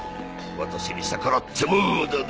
私に逆らっても無駄だ。